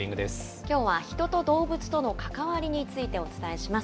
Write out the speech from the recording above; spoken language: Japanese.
きょうは人と動物との関わりについてお伝えします。